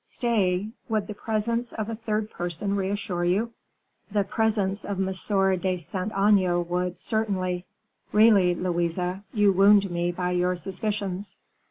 Stay; would the presence of a third person reassure you?" "The presence of M. de Saint Aignan would, certainly." "Really, Louise, you wound me by your suspicions."